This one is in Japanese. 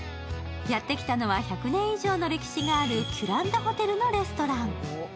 やって来たのは１００年以上の歴史があるキュランダホテルのレストラン。